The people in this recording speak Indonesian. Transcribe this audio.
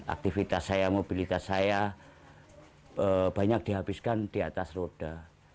aktivitas saya mobilitas saya banyak dihabiskan di atas roda